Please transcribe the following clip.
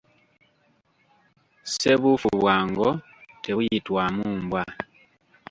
Ssebuufu bwa ngo, tebuyitibwamu mbwa.